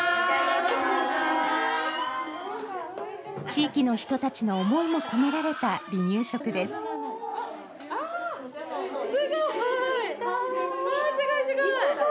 地域の人たちの思いも込められた離乳食です。